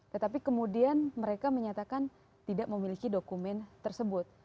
tetapi kemudian mereka menyatakan tidak memiliki dokumen tersebut